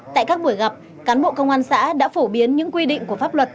tại các buổi gặp cán bộ công an xã đã phổ biến những quy định của pháp luật